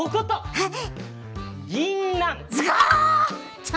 えっ？